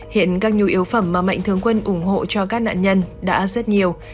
hiện các nhu yếu phẩm mà mạnh thương quân ủng hộ cho các nạn nhân đã rất nhiều